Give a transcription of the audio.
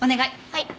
はい。